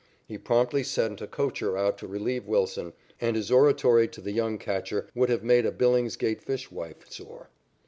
He promptly sent a coacher out to relieve Wilson, and his oratory to the young catcher would have made a Billingsgate fishwife sore.